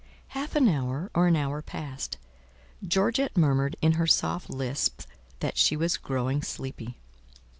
Half an hour or an hour passed; Georgette murmured in her soft lisp that she was growing sleepy.